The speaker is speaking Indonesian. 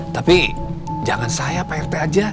tapi jangan saya prt aja